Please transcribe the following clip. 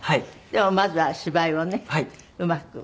でもまずは芝居をねうまく。